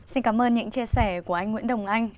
xin cảm ơn những chia sẻ của anh nguyễn đồng anh